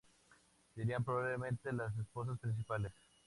Serían probablemente las esposas principales.